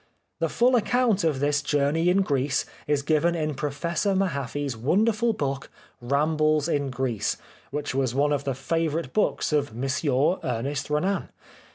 The full account of this journey in Greece is given in Professor Mahaffy's wonderful book, " Rambles in Greece," which was one of the favourite books of Monsieur Ernest Renan.